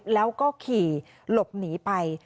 แล้วก็ขี่หลบหนีไป